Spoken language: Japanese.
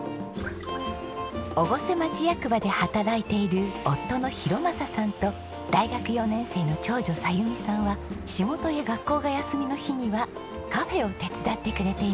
越生町役場で働いている夫の博正さんと大学４年生の長女沙弓さんは仕事や学校が休みの日にはカフェを手伝ってくれています。